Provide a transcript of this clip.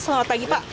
selamat pagi pak